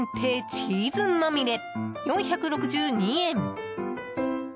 チーズまみれ、４６２円。